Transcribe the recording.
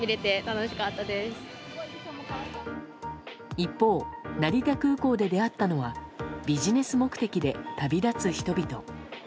一方、成田空港で出会ったのはビジネス目的で旅立つ人々。